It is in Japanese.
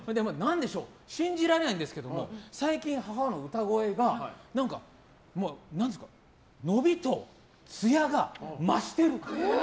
信じられないんですけど最近、母の歌声が伸びとツヤが増してる。